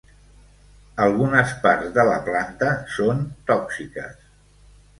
Algunes parts de la planta són tòxiques.